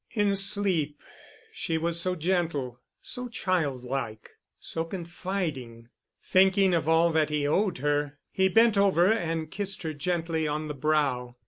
In sleep she was so gentle—so child like—so confiding. Thinking of all that he owed her, he bent over and kissed her gently on the brow.